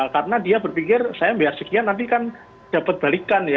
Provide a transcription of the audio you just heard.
karena dia berpikir saya biar sekian nanti kan dapat balikan ya